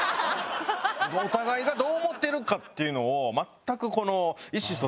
お互いがどう思ってるかっていうのを全く。